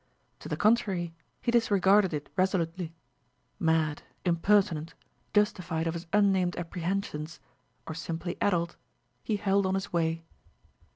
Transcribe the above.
To the contrary he disregarded it resolutely; mad, impertinent, justified of his unnamed apprehensions, or simply addled, he held on his way.